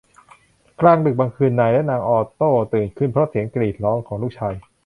กลางดึกบางคืนนายและนางออตโตตื่นขึ้นเพราะเสียงกรีดร้องของลูกชาย